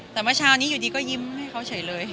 แต่เมื่อเช้าอันนี้ก็ยิ้มให้เค้าเฉยเลย